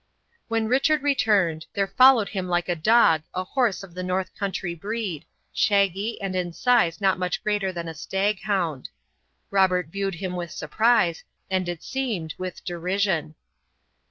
When Richard returned, there followed him like a dog a horse of the North country breed, shaggy, and in size not much greater than a stag hound. Robert viewed him with surprise, and it seemed with derision.